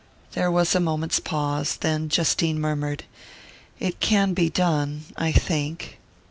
There was a moment's pause; then Justine murmured: "It can be done...I think...."